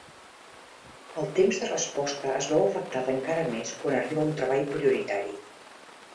El temps de resposta es veu afectat encara més quan arriba un treball prioritari.